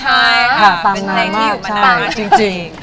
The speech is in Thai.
ใช่ค่ะตำนานมาก